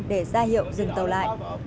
để ra hiệu dừng tàu lại